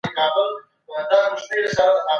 لوستې مور د ماشومانو د وزن توازن ساتي.